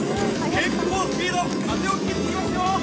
結構スピード、風を感じますよ。